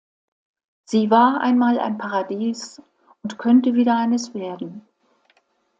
Sie war einmal ein Paradies und könnte wieder eines werden.